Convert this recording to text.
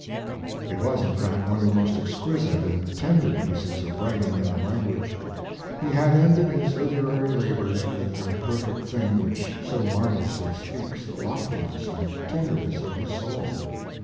It was, in fact, one of the most exquisite and tender pieces of writing in the language. He had ended his literary labors with that perfect thing which so marvelously speaks the loftiness and tenderness of his soul.